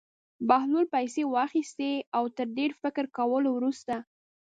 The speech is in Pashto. بهلول پېسې واخیستې او تر ډېر فکر کولو وروسته.